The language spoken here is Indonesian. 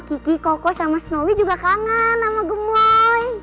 kiki koko sama snowy juga kangen sama gemoy